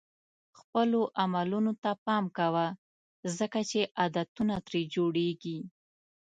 خپلو عملونو ته پام کوه ځکه چې عادتونه ترې جوړېږي.